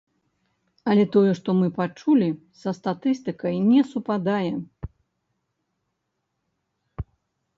Але тое, што мы пачулі са статыстыкай не супадае.